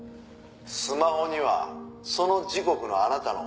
「スマホにはその時刻のあなたの歩数」